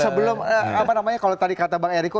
sebelum apa namanya kalau tadi kata bang eriko